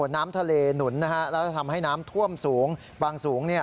น้ำทะเลหนุนนะฮะแล้วทำให้น้ำท่วมสูง